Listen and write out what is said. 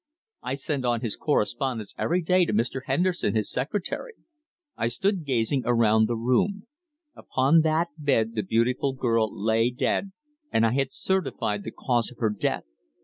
I send on his correspondence every day to Mr. Henderson, his secretary." I stood gazing around the room. Upon that bed the beautiful girl lay dead, and I had certified the cause of her death!